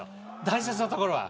大切なところは。